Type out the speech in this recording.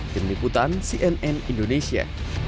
deniputan cnn indonesia